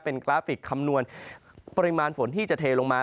เป็นกราฟิกคำนวณปริมาณฝนที่จะเทลงมา